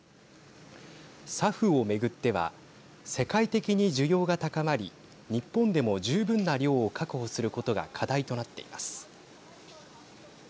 ＳＡＦを巡っては世界的に需要が高まり日本でも十分な量を確保することが課題となっています。